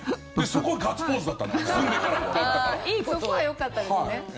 そこは、よかったですね。